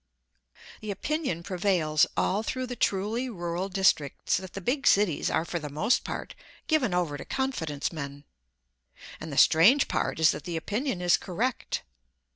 UNCLE JOE AND AUNT MELINDA The opinion prevails all through the truly rural districts that the big cities are for the most part given over to Confidence Men. And the strange part is that the opinion is correct.